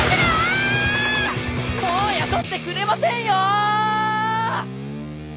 もう雇ってくれませんよ！